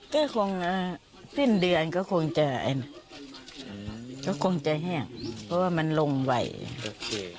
ก็คงเอ่อขึ้นเดือนก็คงจะอันนี้ก็คงจะแห้งเพราะว่ามันลงไหวโอเค